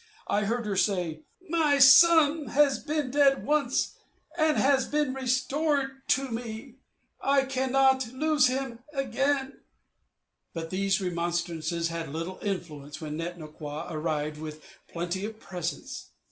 I heard her say, "My son has been dead once, and has been restored to me; I cannot lose him again." But these remonstrances had little influence when Net no kwa arrived with plenty of presents.